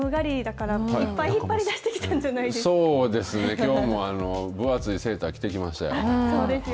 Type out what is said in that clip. きょうも分厚いセーター着てきましたよ。